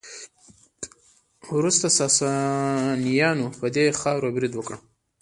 وروسته ساسانیانو په دې خاوره برید وکړ